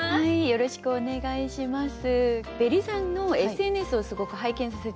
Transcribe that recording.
よろしくお願いします。